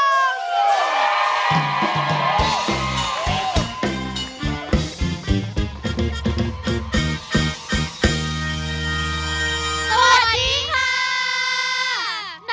สวัสดีค่ะ